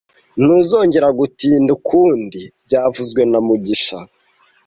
Ntuzongere gutinda ukundi byavuzwe na mugisha